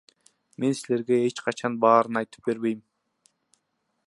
Мен силерге эч качан баарын айтып бербейм.